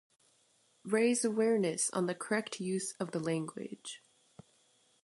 Raise awareness on the correct use of the language